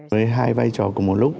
với hai vai trò cùng một lúc